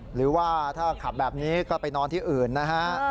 หรือว่าถ้าขับแบบนี้ก็ไปนอนที่อื่นนะฮะ